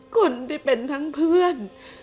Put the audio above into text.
คนที่เป็นทั้งเพื่อน